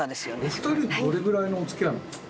お二人どれぐらいのお付き合いなんですか？